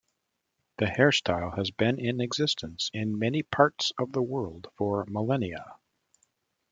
The hairstyle has been in existence in many parts of the world for millennia.